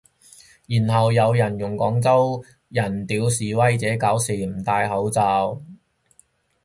然後有人用廣州人屌示威者搞事唔戴口罩